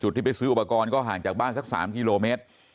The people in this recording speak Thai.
ที่ไปซื้ออุปกรณ์ก็ห่างจากบ้านสัก๓กิโลเมตร